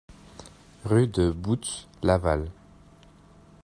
Rue de Bootz, Laval